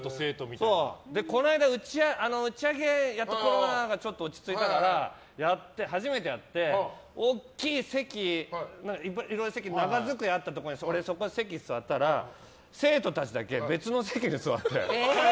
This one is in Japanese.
この間、打ち上げをやっとコロナがちょっと落ち着いたから初めてやって大きい席長机あったところに座ったら生徒たちだけ別の席で座って。